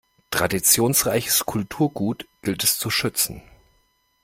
Traditionsreiches Kulturgut gilt es zu schützen.